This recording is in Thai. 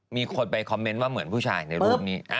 มีคนไปคอมเมนต์ว่าเหมือนผู้ชายในรูปนี้